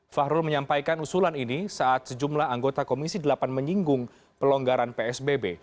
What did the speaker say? fahrul menyampaikan usulan ini saat sejumlah anggota komisi delapan menyinggung pelonggaran psbb